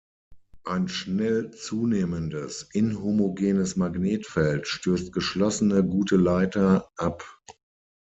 Ein schnell zunehmendes inhomogenes Magnetfeld stößt geschlossene gute Leiter ab.